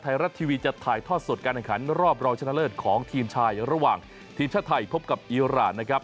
ไทยรัฐทีวีจะถ่ายทอดสดการแข่งขันรอบรองชนะเลิศของทีมชายระหว่างทีมชาติไทยพบกับอีรานนะครับ